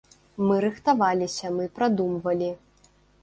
Мы рыхтаваліся, мы прадумвалі.